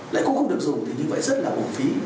lại cũng không được dùng thì như vậy rất là bổ phí